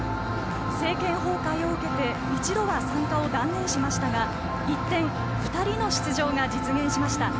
政権崩壊を受けて一度は参加を断念しましたが一転、２人の出場が実現しました。